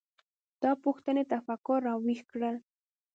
دا پوښتنې تفکر راویښ کړل.